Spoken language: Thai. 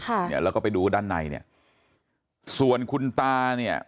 ค่ะเนี่ยแล้วก็ไปดูด้านในเนี่ยส่วนคุณตาเนี่ย